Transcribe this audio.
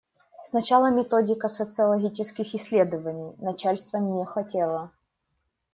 Сначала методика социологических исследований, начальство не хотело.